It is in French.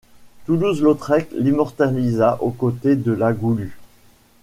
Toulouse-Lautrec l'immortalisa aux côtés de la Goulue.